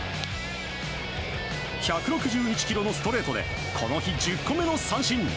１６１キロのストレートでこの日１０個目の三振。